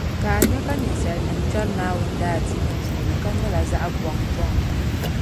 Ka a nya ka ninsalinim’ kpɛri Naawuni daadiini puuni ka nyɛla zaɣi bɔŋ bɔŋ.